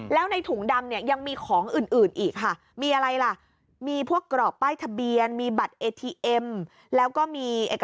แล้วก็มีเอกสารการเสียชีวิตของก้อยนะใส่ในถุงดำอืม